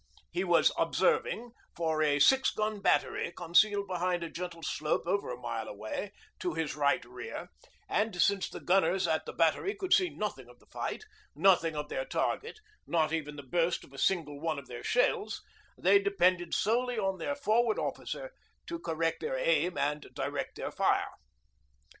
He was 'observing' for a six gun battery concealed behind a gentle slope over a mile away to his right rear, and, since the gunners at the battery could see nothing of the fight, nothing of their target, not even the burst of a single one of their shells, they depended solely on their Forward Officer to correct their aim and direct their fire.